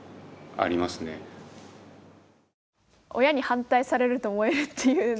親に反対されると燃えるっていう。